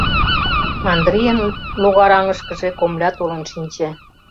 Андрийын логар аҥышкыже комля толын шинче.